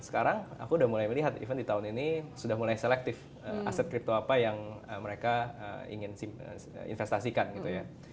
sekarang aku udah mulai melihat even di tahun ini sudah mulai selektif aset kripto apa yang mereka ingin investasikan gitu ya